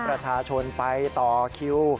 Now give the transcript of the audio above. ประชาชนไปต่อคิว